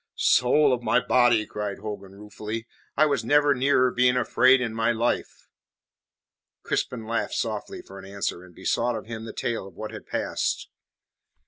"Soul of my body!" cried Hogan ruefully, "I was never nearer being afraid in my life." Crispin laughed softly for answer, and besought of him the tale of what had passed.